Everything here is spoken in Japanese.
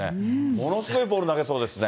ものすごいボール投げそうですね。